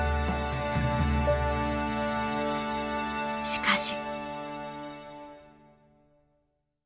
しかし。